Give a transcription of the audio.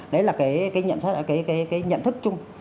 đấy là cái cái nhận thức cái nhận thức chung